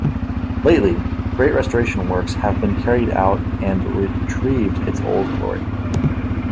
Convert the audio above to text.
Lately, great restoration works have been carried out and retrieved its old glory.